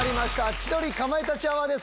『千鳥かまいたちアワー』です。